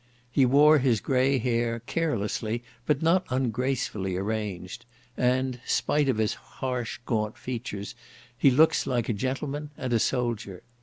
He wore his grey hair, carelessly, but not ungracefully arranged, and, spite of his harsh gaunt features, he looks like a gentleman and a soldier.